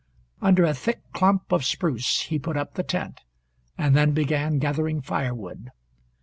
Under a thick clump of spruce he put up the tent, and then began gathering fire wood.